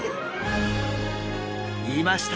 いました！